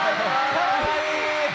かわいい。